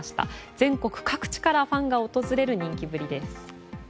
全国各地からファンが訪れる人気ぶりです。